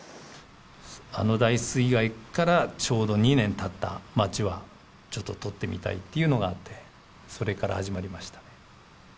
あの大水害からちょうど２年たった町は、ちょっと撮ってみたいっていうのがあって、それから始まりました。